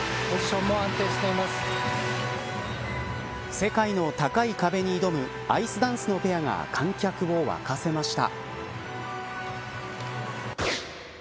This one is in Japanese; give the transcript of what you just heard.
世界の高い壁に挑むアイスダンスのペアが観客を沸かせました。